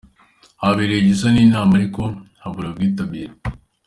habereye igisa n’inama ariko habura ubwitabire.